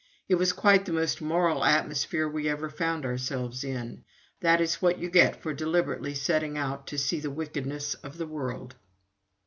It was quite the most moral atmosphere we ever found ourselves in. That is what you get for deliberately setting out to see the wickedness of the world!